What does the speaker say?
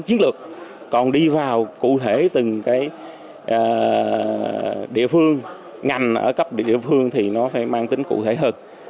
chiến lược còn đi vào cụ thể từng địa phương ngành ở cấp địa phương thì nó phải mang tính cụ thể hơn